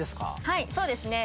はいそうですね。